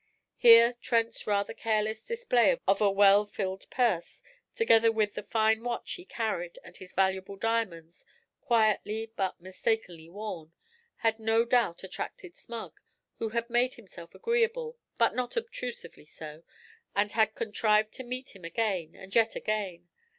Here Trent's rather careless display of a well filled purse, together with the fine watch he carried and his valuable diamonds, quietly but mistakenly worn, had no doubt attracted Smug, who had made himself agreeable, but not obtrusively so, and had contrived to meet him again and yet again.